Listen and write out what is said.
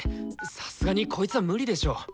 さすがにこいつは無理でしょ。